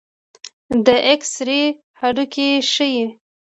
د ایکس رې هډوکي ښيي.